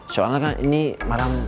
soalnya kan ini malam